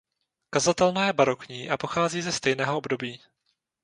Kazatelna je barokní a pochází ze stejného období.